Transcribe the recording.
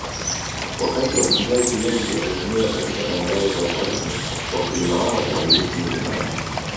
Wakati wafugaji wengi walihamia katika tambarare za Upareni Wakulima wao waliishi milimani